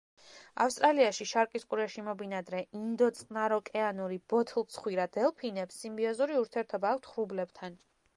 ავსტრალიაში, შარკის ყურეში მობინადრე ინდო-წყნაროკეანური ბოთლცხვირა დელფინებს სიმბიოზური ურთიერთობა აქვთ ღრუბლებთან.